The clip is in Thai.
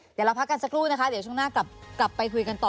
เดี๋ยวเราพักกันสักครู่นะคะเดี๋ยวช่วงหน้ากลับไปคุยกันต่อ